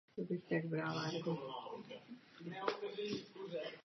V českých pramenech je často uváděn jako "Antonín Vlach".